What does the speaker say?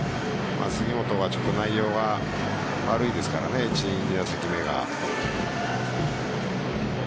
杉本は内容が悪いですからね１、２打席目が。